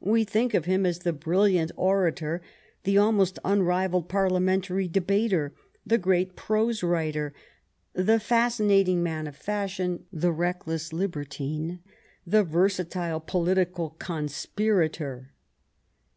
We think of him as the brilliant orator, the almost unrivalled parliamentary debater, the great prose writer, the fascinating man of fashion, the reckless libertine, the versatile political conspirator.